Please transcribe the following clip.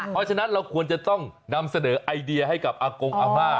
เพราะฉะนั้นเราควรจะต้องนำเสนอไอเดียให้กับอากงอาม่า